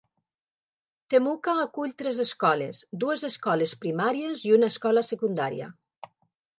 Temuka acull tres escoles, dues escoles primàries i una escola secundària.